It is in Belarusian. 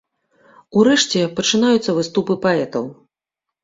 Урэшце пачынаюцца выступы паэтаў.